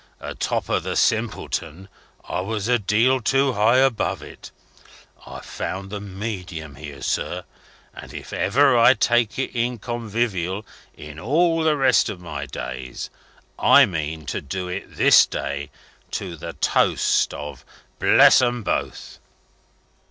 Atop of the Simpleton, I was a deal too high above it. I've found the medium here, sir. And if ever I take it in convivial, in all the rest of my days, I mean to do it this day, to the toast of 'Bless 'em both.'"